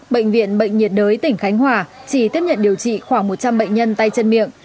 bệnh viện bệnh nhiệt đới tỉnh khánh hòa chỉ tiếp nhận điều trị khoảng một trăm linh bệnh nhân tay chân miệng